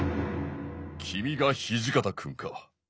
君が土方君か。